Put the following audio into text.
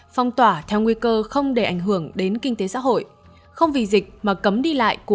phong tỏa theo nguy cơ không để ảnh hưởng đến kinh tế xã hội